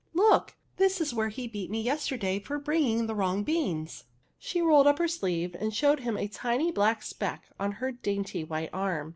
Look! this is where he beat me yesterday for bringing the wrong beans." She rolled up her sleeve and showed him a tiny black speck on her dainty white arm.